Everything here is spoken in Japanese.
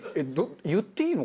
言っていいの？